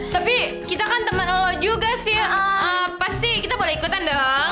tapi kita kan temen lo juga sil pasti kita boleh ikutan dong